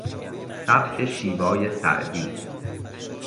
سبک شیوای سعدی